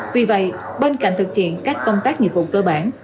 vì vậy bên cạnh thực hiện các công tác nghiệp vụ cơ bản